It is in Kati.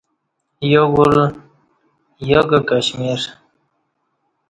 یوگل یوکہ کشمیر